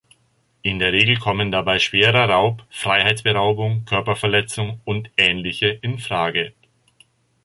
In der Regel kommen dabei schwerer Raub, Freiheitsberaubung, Körperverletzung und ähnliche in Frage.